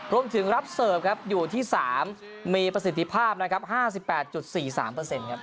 ร่วมถึงรับเสิร์ฟอยู่ที่๓มีประสิทธิภาพ๕๘๔๓เปอร์เซ็นต์